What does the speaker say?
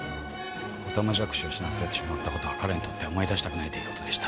オタマジャクシを死なせてしまったことは彼にとっては思い出したくない出来事でした。